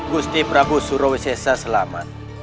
gusti prabu surowisesa selamat